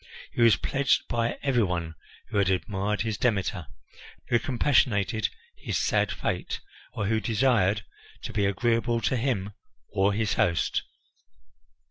He was pledged by every one who had admired his Demeter, who compassionated his sad fate, or who desired to be agreeable to him or his host.